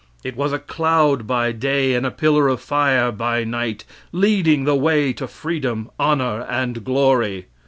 It was a cloud by day and a pillar of fire by night, leading the way to freedom, honor, and glory.